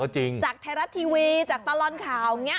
จากแทรรัสทีวีจากตลอดข่าว